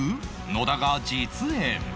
野田が実演